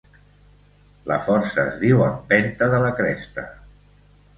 La força es diu empenta de la cresta.